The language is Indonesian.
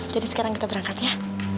jadi sekarang kita berangkat ya